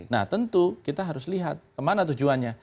nah tentu kita harus lihat kemana tujuannya